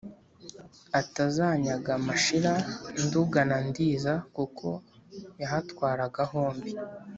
atazanyaga mashira nduga na ndiza kuko yahatwaraga hombi